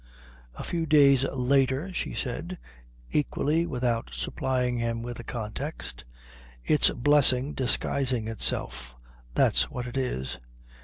A few days later she said, equally without supplying him with the context, "It's blessing disguising itself, that's what it is."